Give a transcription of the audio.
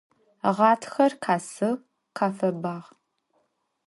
Ğatxer khesığ, khefebağ.